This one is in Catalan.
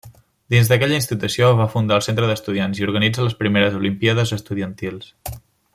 Dins d'aquella institució, va fundar el Centre d'Estudiants i organitza les primeres olimpíades estudiantils.